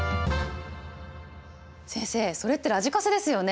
先生それってラジカセですよね？